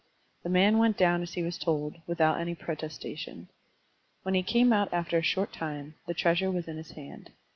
The man went down as he was told, without any pro testation. When he came out after a short time, the treasure was in his hand.